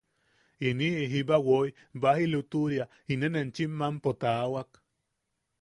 Iniʼi jiba woi, baji lutuʼuria inen enchim mampo taawak.